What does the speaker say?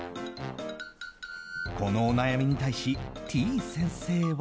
このお悩みに対し、てぃ先生は。